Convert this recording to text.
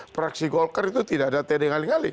praksi golkar itu tidak ada td ngaling ngaling